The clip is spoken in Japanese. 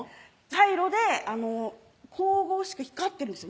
茶色で神々しく光ってるんです